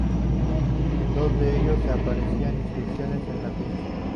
En dos de ellos se aprecian inscripciones en latín.